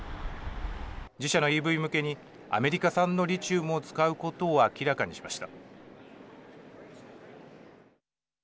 自社のＥＶ向けにアメリカ産のリチウムを使うことを明らかにしました。